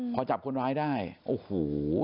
พอจับคนร้ายได้โอ้โห